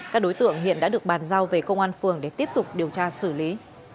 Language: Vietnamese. các đối tượng hiện đã được bàn giao về công an phường để tiếp tục điều tra xử lý